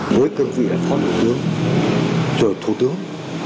với cơ vị là phó thủ tướng rồi thủ tướng